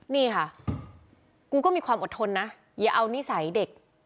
นี่ค่ะกูก็มีความอดทนนะอย่าเอานิสัยเด็ก